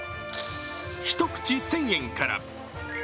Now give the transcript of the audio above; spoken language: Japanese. １口１０００円から。